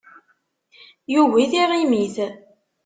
Yugi tiɣimit.